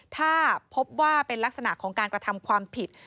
ถ้าพบว่าเป็นลักษณะของการกระทำความผิด